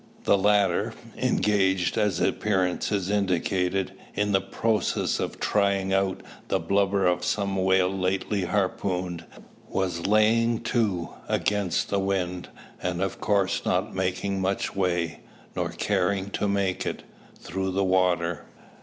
The latter, engaged, as appearances indicated, in the process of "trying out" the blubber of some whale lately harpooned, was "laying to" against the wind; and, of course not making much way, nor caring to make it, through the water.